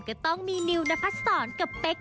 ก็ต้องมีนิวนพัดศรกับเป๊ก